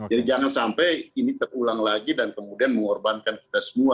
jangan sampai ini terulang lagi dan kemudian mengorbankan kita semua